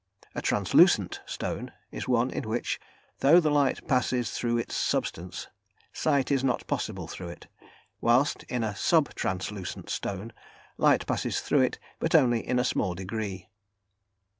A "translucent" stone is one in which, though light passes through its substance, sight is not possible through it; whilst in a "sub translucent" stone, light passes through it, but only in a small degree.